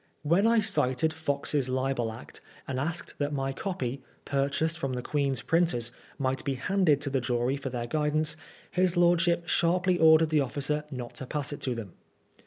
When I cited Fox's Libel Act and asked that my copy, purchased from the Queen's printers, might be handed to the jury for their guidance, his lordship sharply ordered the officer not to pass it to them.